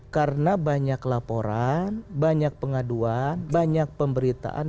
karena banyak laporan banyak pengaduan banyak pemberitaan